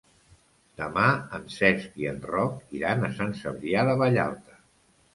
Demà en Cesc i en Roc iran a Sant Cebrià de Vallalta.